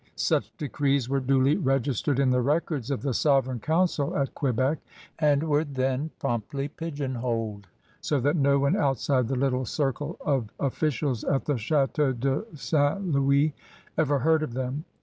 Such decrees were duly registered in the records of the Sovereign Coimcil at Quebec and were then promptly pigeonholed so that no one outside the little circle of ofBcials at the Ch&teau de St. Louis ever heard of them.